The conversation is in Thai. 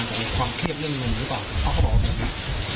เขาก็บอกว่าแบบนี้